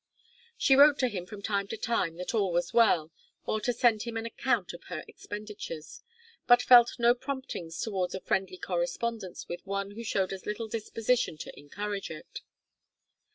She wrote to him from time to time that all was well, or to send him an account of her expenditures; but felt no promptings towards a friendly correspondence with one who showed as little disposition to encourage it.